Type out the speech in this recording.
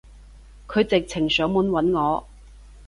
佢直情上門搵我